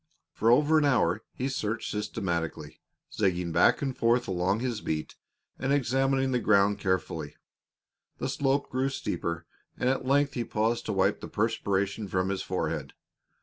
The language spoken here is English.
For over an hour he searched systematically, zigzagging back and forth along his beat and examining the ground carefully. The slope grew steeper, and at length he paused to wipe the perspiration from his forehead.